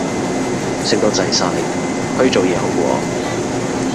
食到滯晒，去做嘢好過